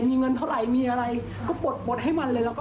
มีเงินเท่าไหร่มีอะไรก็ปลดบดให้มันเลย